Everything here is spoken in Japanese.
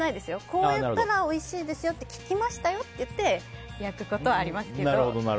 こうやったらおいしいですよって聞きましたよって言って焼くことはありますけど。